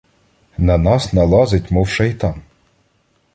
На нас налазить, мов шайтан.